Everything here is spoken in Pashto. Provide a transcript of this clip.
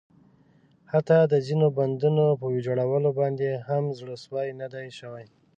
حتٰی د ځینو بندونو په ویجاړولو باندې هم زړه سوی نه ده شوی.